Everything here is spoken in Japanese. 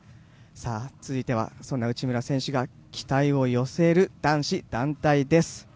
続いてはそんな内村選手が期待を寄せる男子団体です。